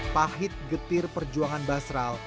pahit getir perjuangan basral